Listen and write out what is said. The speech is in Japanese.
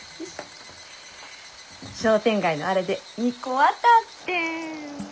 商店街のあれで２個当たってん。